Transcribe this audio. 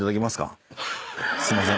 すいません。